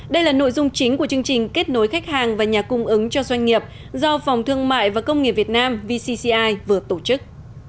đây là nội dung chính của chương trình kết nối khách hàng và nhà cung ứng cho doanh nghiệp do phòng thương mại và công nghiệp việt nam vcci vừa tổ chức